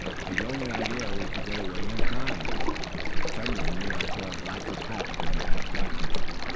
His only idea was to get away and hide. Suddenly Nero saw a blacker patch in the half darkness.